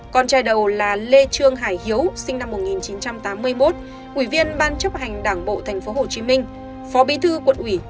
con trai đầu là lê trương hải hiếu sinh năm một nghìn chín trăm tám mươi một ủy viên ban chấp hành đảng bộ tp hcm phó bí thư quận ủy